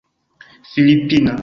filipina